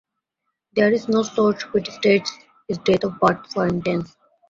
There is no source which states his date of birth, for instance.